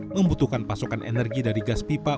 membutuhkan pasokan energi dari gas pipa